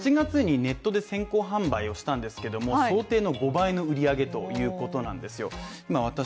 これ８月にネットで先行販売をしたんですけども、想定の５倍の売り上げということなんですよ。